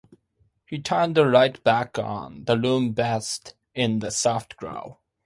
He turned the light back on, the room bathed in a soft glow.